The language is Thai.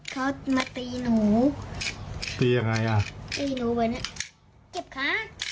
เขามาตีหนูตียังไงอ่ะตีหนูไปเนี้ยเจ็บขา